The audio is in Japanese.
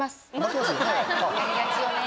やりがちよね。